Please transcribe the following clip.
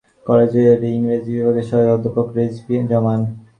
পরিচালনা করেন সরকারি রাজেন্দ্র কলেজের ইংরেজি বিভাগের সহযোগী অধ্যাপক রেজভী জামান।